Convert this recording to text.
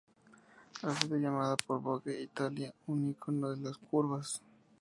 Ha sido llamada por "Vogue Italia" un "ícono de las curvas".